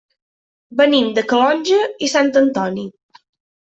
Venim de Calonge i Sant Antoni.